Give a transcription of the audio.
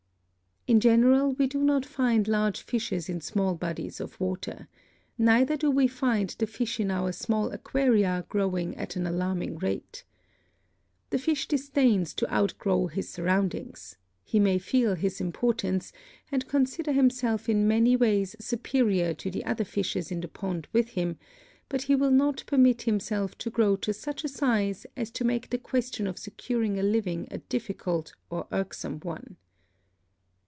In general we do not find large fishes in small bodies of water; neither do we find the fish in our small aquaria growing at an alarming rate. The fish disdains to outgrow his surroundings; he may feel his importance, and consider himself in many ways superior to the other fishes in the pond with him, but he will not permit himself to grow to such a size as to make the question of securing a living a difficult or irksome one.